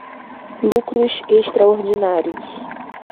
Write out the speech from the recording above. lucros extraordinários